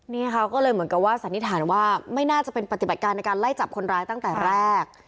นี่ค่ะก็เลยเหมือนกับว่าสันนิษฐานว่าไม่น่าจะเป็นปฏิบัติการในการไล่จับคนร้ายตั้งแต่แรก